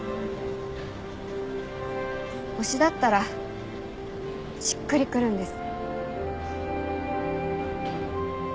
推しだったらしっくり来るんです。